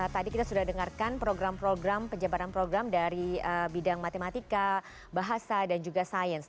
tadi kita sudah dengarkan program program penyebaran program dari bidang matematika bahasa dan juga sains